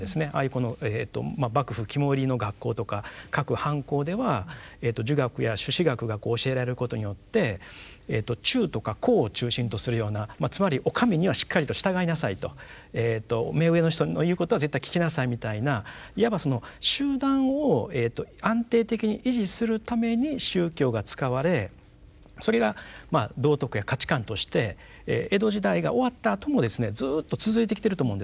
この幕府肝煎りの学校とか各藩校では儒学や朱子学がこう教えられることによって「忠」とか「孝」を中心とするようなつまり「お上にはしっかりと従いなさい」と「目上の人の言うことは絶対聞きなさい」みたいないわば集団を安定的に維持するために宗教が使われそれがまあ道徳や価値観として江戸時代が終わったあともですねずっと続いてきてると思うんですよ。